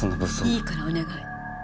いいからお願い。